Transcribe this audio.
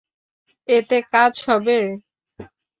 এতে কাজ হবে?